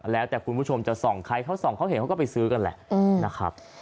แล้วแต่คุณผู้ชมจะส่องใครเขาส่องเขาเห็นเขาก็ไปซื้อกันแหละนะครับ